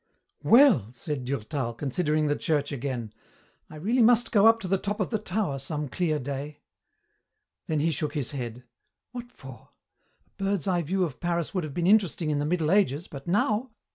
"Well," said Durtal, considering the church again, "I really must go up to the top of the tower some clear day." Then he shook his head. "What for? A bird's eye view of Paris would have been interesting in the Middle Ages, but now!